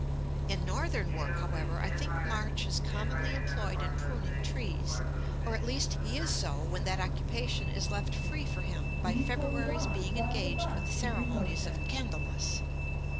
In Northern work, however, I think March is commonly employed in pruning trees; or, at least, he is so when that occupation is left free for him by February's being engaged with the ceremonies of Candlemas.